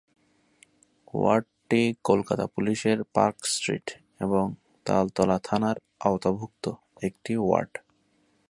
ওয়ার্ডটি কলকাতা পুলিশের Park Street এবং তালতলা থানার আওতাভুক্ত একটি ওয়ার্ড।